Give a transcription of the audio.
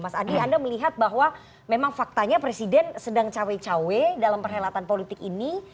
mas adi anda melihat bahwa memang faktanya presiden sedang cawe cawe dalam perhelatan politik ini